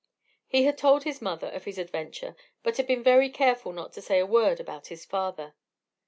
He had told his mother of his adventure, but had been very careful not to say a word about his father.